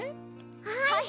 はい！